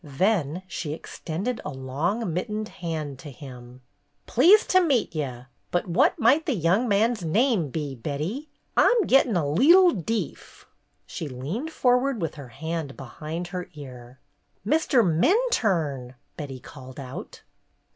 Then she extended a long mittened hand to him. "Pleased to meet ye! But what might the young man's name be, Betty? I'm gettin' a leetle deef." She leaned forward with her hand behind her ear. "Mr. Minturne !" Betty called out.